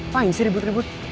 main sih ribut ribut